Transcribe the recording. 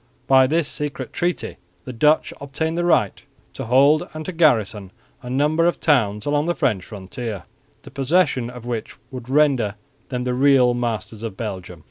By this secret treaty the Dutch obtained the right to hold and to garrison a number of towns along the French frontier, the possession of which would render them the real masters of Belgium.